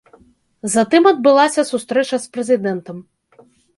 Затым адбылася сустрэча з прэзідэнтам.